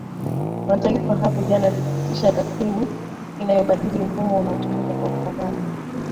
Mataifa hapo jana lilipitisha rasimu inayobadili mfumo unaotumika wa kupambana